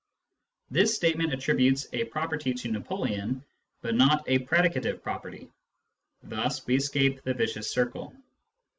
This statement attributes a property to Napoleon, but not a pre dicative property ; thus we escape the vicious circle.